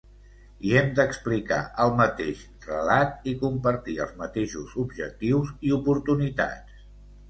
I hem d’explicar el mateix relat i compartir els mateixos objectius i oportunitats.